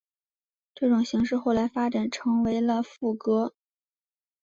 这种形式后来发展成为了赋格。